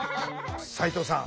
齋藤さん